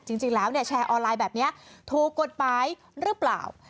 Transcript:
จริงแล้วแชร์ออนไลน์แบบนี้ถูกกฎหมายหรือเปล่า